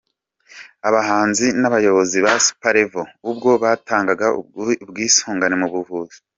Abahanzi n’abayobozi ba Super Level ubwo batangaga ubwisungane mu buvuzi.